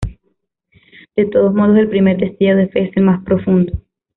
De todos modos, el primer destello de fe es el más profundo.